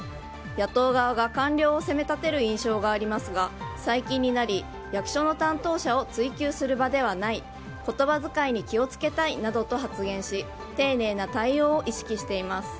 野党側が官僚を責めたてる印象がありますが最近になり、役所の担当者を追及する場ではない言葉遣いに気を付けたいなどと発言し丁寧な対応を意識しています。